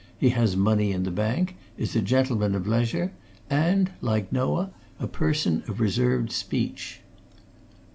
He has money in the bank, is a gentleman of leisure, and, like Noah, a person of reserved speech."